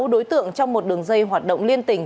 sáu đối tượng trong một đường dây hoạt động liên tỉnh